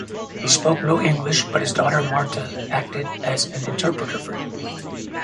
He spoke no English, but his daughter Marta acted as an interpreter for him.